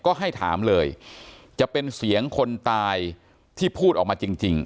ก็ให้ถามเลยจะเป็นเสียงคนตายที่พูดออกมาจริง